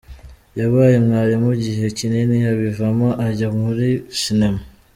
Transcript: Yabaye mwarimu igihe kinini abivamo ajya muri sinema.